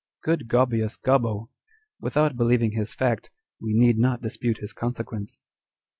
â€" Good Gaubius Gobbo! Without believ ing his fact, we need not dispute his consequence.